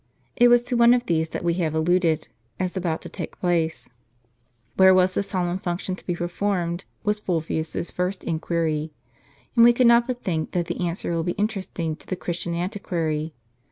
It was to one of these that we have alluded, as about to take place. Where was this solemn function to be performed was Fulvius's first inquiry. And we cannot but think that the answer will be interesting to the Christian antiquary.